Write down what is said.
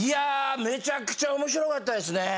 めちゃくちゃ面白かったですね。